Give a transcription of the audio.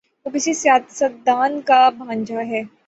وہ کسی سیاست دان کا بھانجا ہے۔